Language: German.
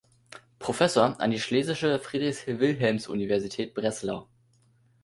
Professor an die Schlesische Friedrich-Wilhelms-Universität Breslau.